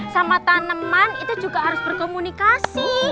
sama tanaman itu juga harus berkomunikasi